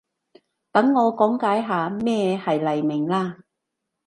等我講解下咩係黎明啦